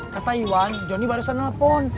kata wan johnny barusan telepon